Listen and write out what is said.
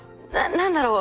何だろう？